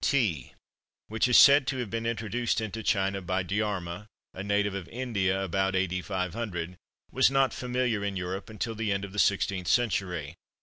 Tea, which is said to have been introduced into China by Djarma, a native of India, about A.D. 500, was not familiar in Europe until the end of the sixteenth century.